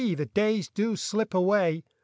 the days do slip away !